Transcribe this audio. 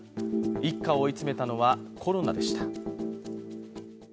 一家を追い詰めたのはコロナでした。